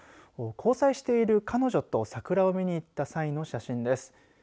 交際している彼女と桜を見に行った際の写真です。